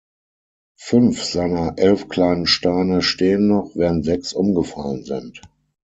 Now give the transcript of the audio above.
Fünf seiner elf kleinen Steine stehen noch, während sechs umgefallen sind.